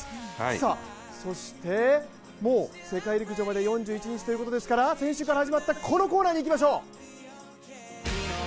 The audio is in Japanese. さあ、そしてもう世界陸上まで４１日ということですから先週から始まったこのコーナーにいきましょう。